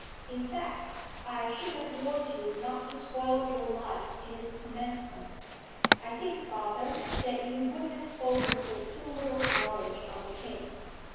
In fact, I should have warned you not to spoil your life in its commencement.' 'I think, father, that you would have spoken with too little knowledge of the case.